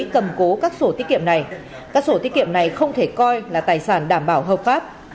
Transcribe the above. các sổ tiết kiệm này không thể coi là tài sản đảm bảo hợp pháp